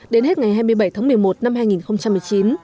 đến hết ngày hai mươi bảy tháng một mươi một năm hai nghìn một mươi chín